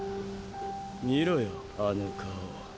見ろよあの顔。